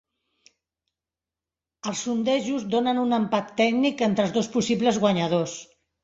Els sondejos donen un empat tècnic entre els dos possibles guanyadors